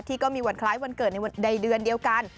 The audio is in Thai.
ก็มีวันคล้ายวันเกิดในเดือนเดียวกัน